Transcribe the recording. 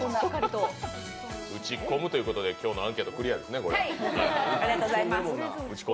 打ち込むということで今日のアンケート、クリアですね。